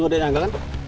eh lo ada yang angkalan